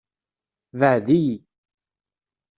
Beɛɛed-iyi.